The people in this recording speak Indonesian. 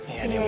iya deh tante